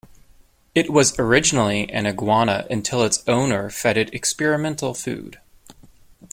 It was originally an iguana until its owner fed it experimental food.